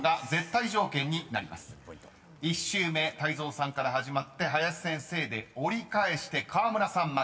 ［１周目泰造さんから始まって林先生で折り返して河村さんまで。